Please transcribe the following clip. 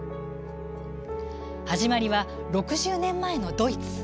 始まりは６０年前のドイツ。